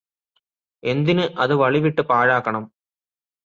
എന്തിന് അത് വളിവിട്ട് പാഴാക്കണം